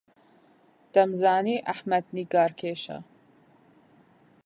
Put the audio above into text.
دەمزانی ئەحمەد نیگارکێشە.